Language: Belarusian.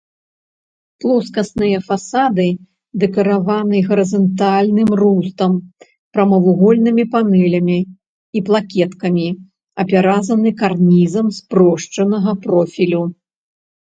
Плоскасныя фасады дэкарыраваны гарызантальным рустам, прамавугольнымі панэлямі і плакеткамі, апяразаны карнізам спрошчанага профілю.